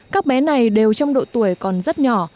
các bé này đều trong độ tuổi còn rất nhỏ